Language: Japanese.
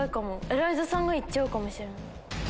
エライザさんが行っちゃうかもしれない。